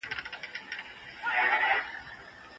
هغه شعر مي ياد دی چي په کتاب کي و.